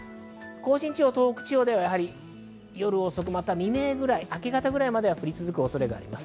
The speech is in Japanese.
甲信地方、東北地方では夜遅く、または未明くらい、明け方ぐらいまでは降り続く恐れがあります。